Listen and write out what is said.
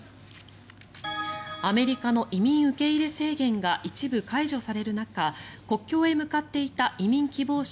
アメリカの移民受け入れ制限が一部解除される中国境へ向かっていた移民希望者